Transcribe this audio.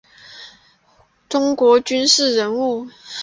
中国军事人物。